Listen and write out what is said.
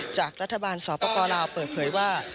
จากรัฐบาลสปลาวเปิดเผยว่า